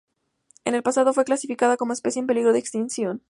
En el pasado fue clasificada como especie en peligro de extinción.